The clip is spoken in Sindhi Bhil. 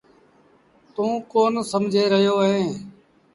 توٚنٚ ڪون سمجھي رهيو اهي